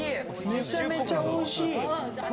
めちゃめちゃおいしい。